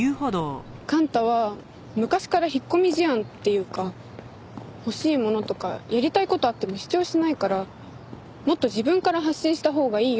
幹太は昔から引っ込み思案っていうか欲しいものとかやりたい事があっても主張しないからもっと自分から発信したほうがいいよって。